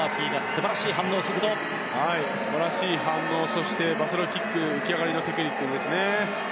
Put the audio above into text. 素晴らしい反応そしてバサロキック浮き上がりのテクニックですね。